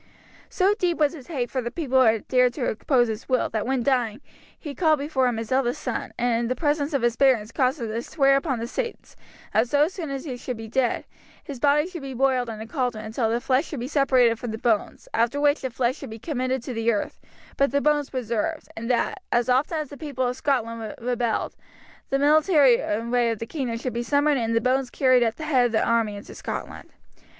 So deep was his hate for the people who had dared to oppose his will that when dying he called before him his eldest son, and in the presence of his barons caused him to swear upon the saints that so soon as he should be dead his body should be boiled in a cauldron until the flesh should be separated from the bones, after which the flesh should be committed to the earth, but the bones preserved, and that, as often as the people of Scotland rebelled, the military array of the kingdom should be summoned and the bones carried at the head of the army into Scotland.